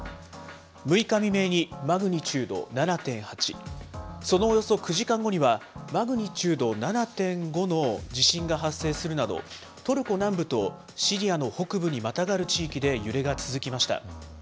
６日未明にマグニチュード７．８、そのおよそ９時間後には、マグニチュード７．５の地震が発生するなど、トルコ南部とシリアの北部にまたがる地域で揺れが続きました。